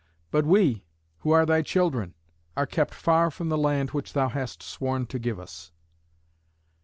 But we, who are thy children, are kept far from the land which thou hast sworn to give us."